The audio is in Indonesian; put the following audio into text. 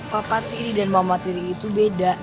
papa tiri dan mama tiri itu beda